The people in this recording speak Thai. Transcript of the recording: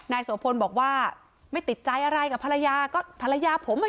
โสพลบอกว่าไม่ติดใจอะไรกับภรรยาก็ภรรยาผมอ่ะ